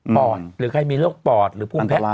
อดหรือใครมีโรคปอดหรือภูมิแพ้